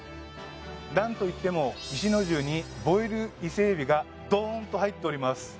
なんといっても壱之重にボイルイセエビがドーンと入っております